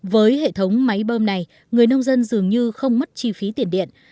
với hệ thống máy bơm này người nông dân dường như không mất chi phí tiền điện